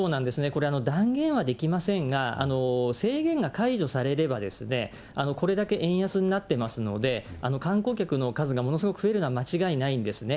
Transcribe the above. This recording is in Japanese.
これ、断言はできませんが、制限が解除されればですね、これだけ円安になってますので、観光客の数がものすごく増えるのは間違いないんですね。